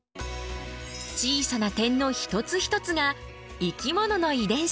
小さな点の一つ一つが生き物の遺伝子。